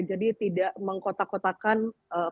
jadi tidak mengkotak kotakan fokusnya